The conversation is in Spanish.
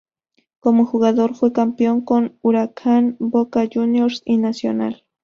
Como jugador, fue campeón con Huracán, Boca Juniors y Nacional.